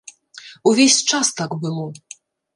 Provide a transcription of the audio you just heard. Увесь час так было.